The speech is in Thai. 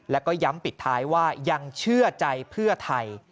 แล้วก็ย้ำปิดท้ายว่ายังเชื่อใจเพื่อไทย